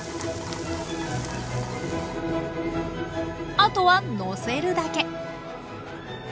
あとはのせるだけ！